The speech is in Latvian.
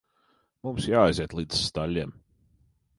Mums jāaiziet līdz staļļiem.